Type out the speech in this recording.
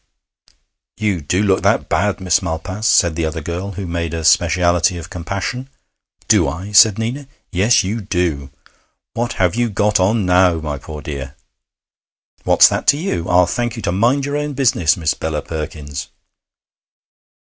'You do look that bad, Miss Malpas,' said the other girl, who made a speciality of compassion. 'Do I?' said Nina. 'Yes, you do. What have you got on, now, my poor dear?' 'What's that to you? I'll thank you to mind your own business, Miss Bella Perkins.'